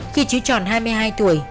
khi chứ tròn hai mươi hai tuổi